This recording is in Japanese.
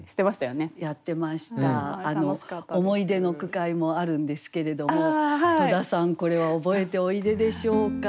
思い出の句会もあるんですけれども戸田さんこれは覚えておいででしょうか？